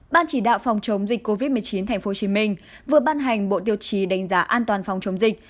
ban chỉ đạo phòng chống dịch covid một mươi chín tp hcm vừa ban hành bộ tiêu chí đánh giá an toàn phòng chống dịch